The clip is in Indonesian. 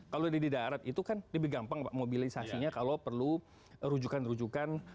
kalau di darat itu kan lebih gampang mobilisasinya kalau perlu rujukan rujukan